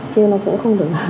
chứ nó cũng không được